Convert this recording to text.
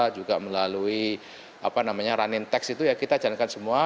juga melalui running text itu ya kita jalankan semua